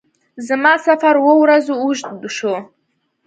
زما سفر اووه ورځو اوږد شو.